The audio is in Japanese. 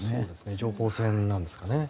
情報戦なんですかね。